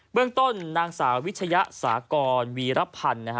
เรื่องต้นนางสาววิชยะสากรวีรพันธ์